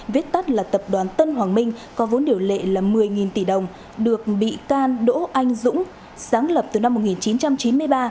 viết tắt là tập đoàn tân hoàng minh có vốn điều lệ là một mươi tỷ đồng được bị can đỗ anh dũng sáng lập từ năm một nghìn chín trăm chín mươi ba